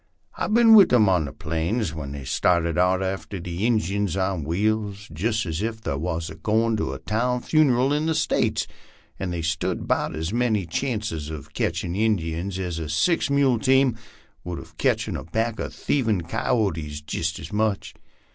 I've bin with 'em on the plains whar they started out after the Injuns on wheels, jist as ef they war goin' to a town funeral in the States, an' they stood 'bout as many chances uv catchin' Injuns aza six mule teamwud uv catchin' a pack of thievin' Ki o tees, jist as much.